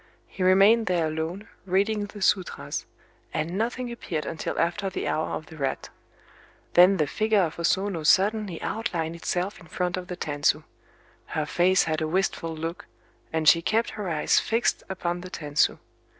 He remained there alone, reading the sûtras; and nothing appeared until after the Hour of the Rat. Then the figure of O Sono suddenly outlined itself in front of the tansu. Her face had a wistful look; and she kept her eyes fixed upon the tansu.